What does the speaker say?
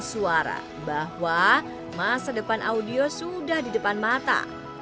suara bahwa masa depan audio sudah di depan mata